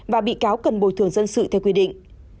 và bị cáo cần bồi thường dân sự theo quy định